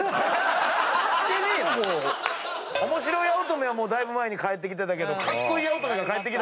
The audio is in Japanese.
オモシロ八乙女はもうだいぶ前に帰ってきてたけどカッコイイ八乙女が帰ってきた。